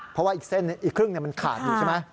เพราะว่าอีกเส้นอีกครึ่งมันขาดอยู่ใช่ไหม